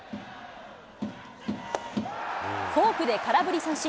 フォークで空振り三振。